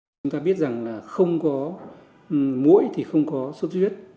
chúng ta biết rằng là không có mũi thì không có sốt xuất huyết